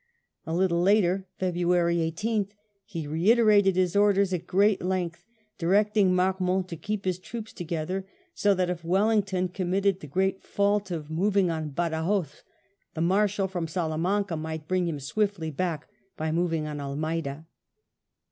A little later (February ISth) he reiterated his orders at great length, directing Marmont to keep his troops together, so that if Wellington committed the great " fault " of moving on Badajos, the Marshal from Salamanca might bring him swiftly back by moving on Almeida.